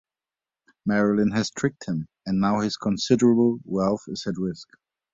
Marylin has tricked him, and now "his" considerable wealth is at risk.